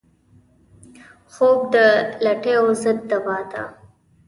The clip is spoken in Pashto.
خوب د لټیو ضد دوا ده